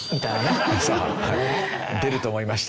出ると思いました。